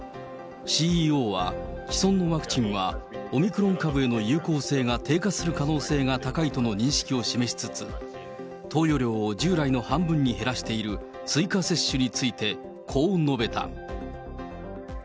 ＣＥＯは既存のワクチンは、オミクロン株への有効性が低下する可能性が高いとの認識を示しつつ、投与量を従来の半分に減らしている追加接種について、こう述べた。